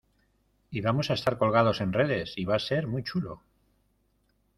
y vamos a estar colgados en redes, y va a ser muy chulo.